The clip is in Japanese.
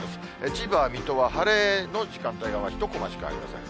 千葉、水戸は晴れの時間帯が１コマしかありません。